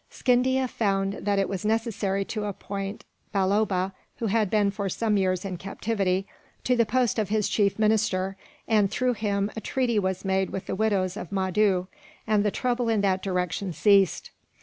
Scindia found that it was necessary to appoint Balloba, who had been for some years in captivity, to the post of his chief minister and, through him, a treaty was made with the widows of Mahdoo, and the trouble in that direction ceased.